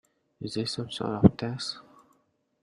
Is this some sort of test?